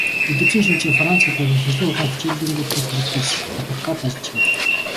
Өдөржин шөнөжин Франц хэл болон шинжлэх ухаанд хичээнгүйлэн суралцаж, лабораторид ажиллаж байлаа.